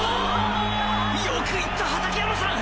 よく言った畠山さん